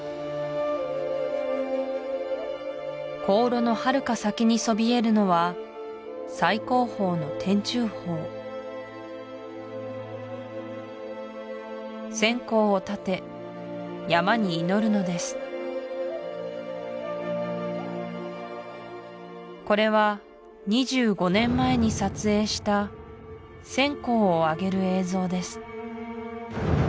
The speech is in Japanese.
香炉のはるか先にそびえるのは最高峰の天柱峰線香を立て山に祈るのですこれは２５年前に撮影した線香をあげる映像です